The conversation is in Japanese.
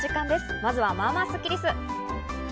まずは、まあまあスッキりす。